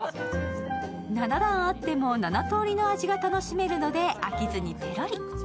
７段あっても７通りの味が楽しめるので飽きずにぺろり。